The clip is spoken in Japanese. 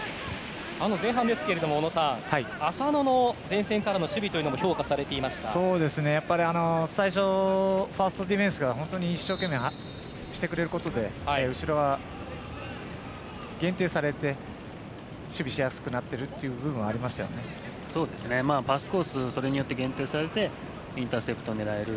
前半ですが、小野さん浅野の前線からの守備もファーストディフェンスから一生懸命してくれることで後ろは、限定されて守備しやすくなっている部分がパスコースそれによって限定されてインターセプトを狙える。